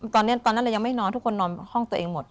ตอนนั้นเรายังไม่นอนทุกคนนอนห้องตัวเองหมด